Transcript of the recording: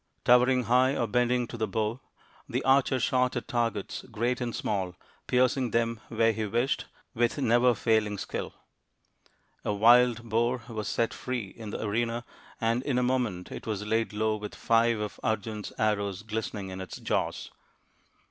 Towering high or bending to the bow, the archer shot at targets great and small, piercing them where he wished with never failing skill. A wild boar was set free in the arena and in a moment it was laid low with five of Arjun's arrows glistening in its jaws.